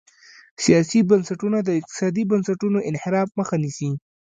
سیاسي بنسټونه د اقتصادي بنسټونو انحراف مخه نیسي.